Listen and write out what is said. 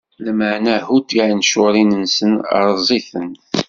Lameɛna hudd tiɛencuṛin-nsen, rreẓ-itent.